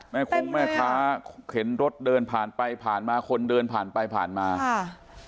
คงแม่ค้าเข็นรถเดินผ่านไปผ่านมาคนเดินผ่านไปผ่านมาค่ะ